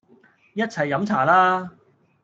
一齊飲茶啦